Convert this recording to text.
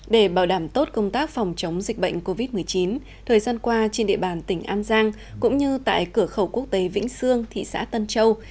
để bảo đảm tốt công tác phòng chống dịch bệnh covid một mươi chín thời gian qua trên địa bàn tỉnh an giang cũng như tại cửa khẩu quốc tế vĩnh sương thị xã tân châu